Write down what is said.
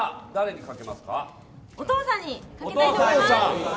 お父さんにかけたいと思います。